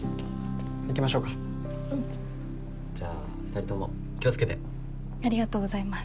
行きましょうかうんじゃあ二人とも気をつけてありがとうございます